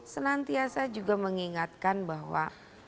senantiasa juga mengingatkan bahwa